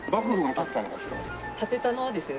建てたのはですね